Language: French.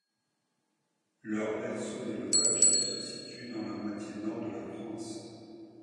Leur berceau d'élevage se situe dans la moitié nord de la France.